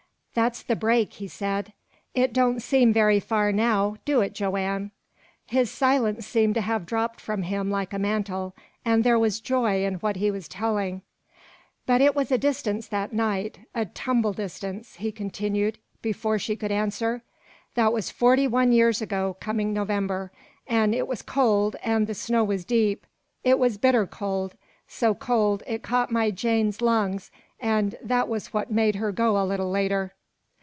"That's the break," he said. "It don't seem very far now, do it, Joanne?" His silence seemed to have dropped from him like a mantle, and there was joy in what he was telling. "But it was a distance that night a tumble distance," he continued, before she could answer. "That was forty one years ago, coming November. An' it was cold, an' the snow was deep. It was bitter cold so cold it caught my Jane's lungs, an' that was what made her go a little later.